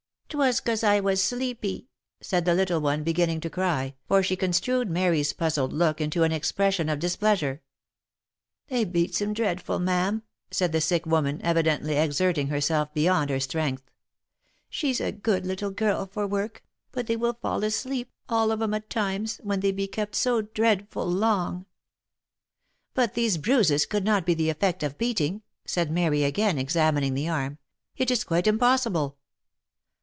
" 'Twas, cause I was sleepy," said the little one, beginning to cry, for she construed Mary's puzzled look into an expression of dis pleasure. " They beats 'em dreadful ma'am," said the sick woman, evidently exerting herself beyond her strength. " She's a good little girl for work ; but they will fall asleep, all of 'em at times, when they be kept so dreadful long." "But these bruises could not be the effect of beating," said Mary, again examining the arm, " it is quite impossible."